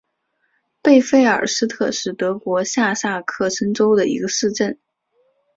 贝费尔斯特是德国下萨克森州的一个市镇。